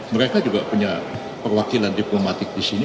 mereka juga punya perwakilan diplomatik disini